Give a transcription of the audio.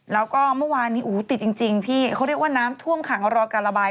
แล้วก็เมื่อวานนี้อู๋ติดจริงพี่เขาเรียกว่าน้ำท่วมขังรอการระบาย